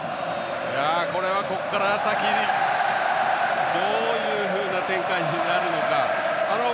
これは、ここから先どういうふうな展開になるのか。